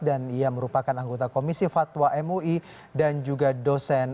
dan ia merupakan anggota komisi fatwa mui dan juga dosen